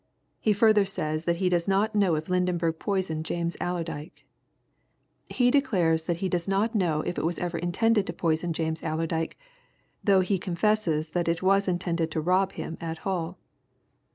He further says that he does not know if Lydenberg poisoned James Allerdyke. He declares that he does not know if it was ever intended to poison James Allerdyke, though he confesses that it was intended to rob him at Hull.